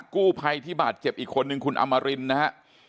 กู้ภัยที่บาดเจ็บอีกคนนึงคุณอมรินนะฮะ